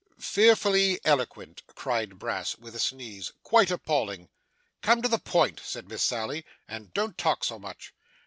'Fearfully eloquent!' cried Brass with a sneeze. 'Quite appalling!' 'Come to the point,' said Miss Sally, 'and don't talk so much.